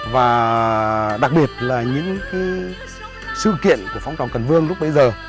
và đặc biệt là những cái sự kiện của phong trào cần vương lúc bây giờ